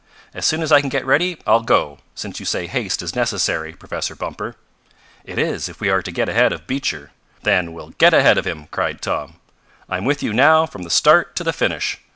As soon as I can get ready I'll go, since you say haste is necessary, Professor Bumper." "It is, if we are to get ahead of Beecher." "Then we'll get ahead of him!" cried Tom. "I'm with you now from the start to the finish.